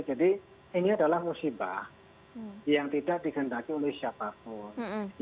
jadi ini adalah musibah yang tidak digendaki oleh siapapun